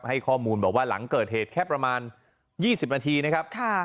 ให้ข้อมูลบอกว่าหลังเกิดเหตุแค่ประมาณ๒๐นาทีนะครับ